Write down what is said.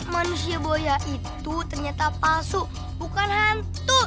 marsya boya itu ternyata palsu bukan hantu